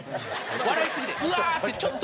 笑いすぎて「うわー！」ってちょっと。